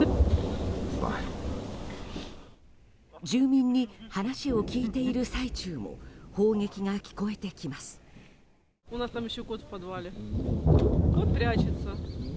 住民に話を聞いている最中も砲撃が聞こえてきます。